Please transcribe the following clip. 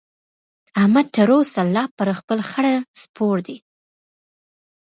احمد تر اوسه لا پر خپل خره سپور دی.